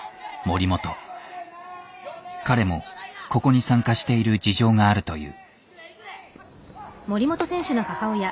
彼もここに参加している事情があるという。